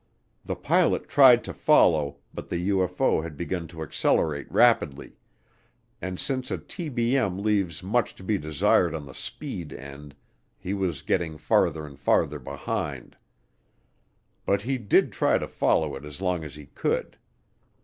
The pilot tried to follow, but the UFO had begun to accelerate rapidly, and since a TBM leaves much to be desired on the speed end, he was getting farther and farther behind. But he did try to follow it as long as he could.